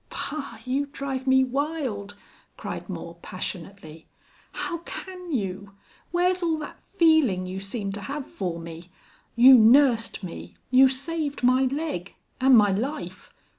"Bah!... You drive me wild," cried Moore, passionately. "How can you? Where's all that feeling you seemed to have for me? You nursed me you saved my leg and my life.